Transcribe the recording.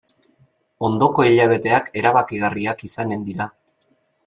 Ondoko hilabeteak erabakigarriak izanen dira.